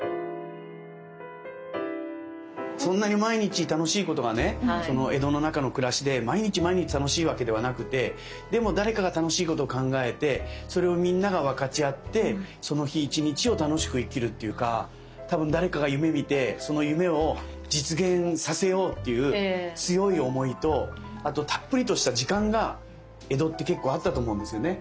そんなに毎日楽しいことがね江戸の中の暮らしで毎日毎日楽しいわけではなくてでも誰かが楽しいことを考えてそれをみんなが分かち合ってその日一日を楽しく生きるっていうか多分誰かが夢みてその夢を実現させようっていう強い思いとあとたっぷりとした時間が江戸って結構あったと思うんですよね。